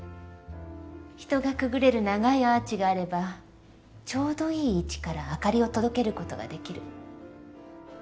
人がくぐれる長いアーチがあればちょうどいい位置から明かりを届けることができる。